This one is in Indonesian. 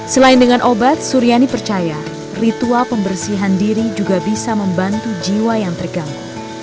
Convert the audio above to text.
selain dengan obat suryani percaya ritual pembersihan diri juga bisa membantu jiwa yang terganggu